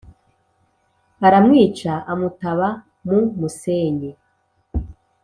aramwica amutaba mu musenyi